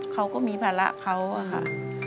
เขาก็ดีอะค่ะแต่ว่าเรา